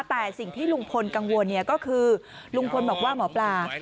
แต่สิ่งที่ลุงพลกังวลก็คือลุงพลบอกว่าหมอปลา